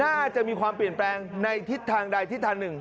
น่าจะมีความเปลี่ยนแปลงในทิศทางใดทิศทางหนึ่ง